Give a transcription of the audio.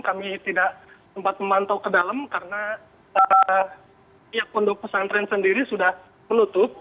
kami tidak sempat memantau ke dalam karena pihak pondok pesantren sendiri sudah menutup